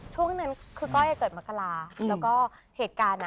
ช่วงนั้นคือก้อยเกิดมกราแล้วก็เหตุการณ์อ่ะ